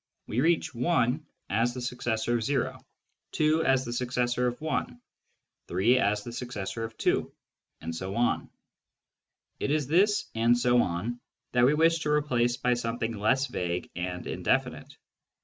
We reach I, as the successor of o ; 2, as the successor of 1 ; 3, as the successor of 2 ; and so on. It is this " and so on " that we wish to replace by something less vague and indefinite.